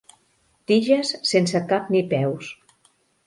Tiges sense cap ni peus.